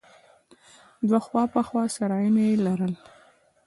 دوه خوا په خوا سرايونه يې لرل.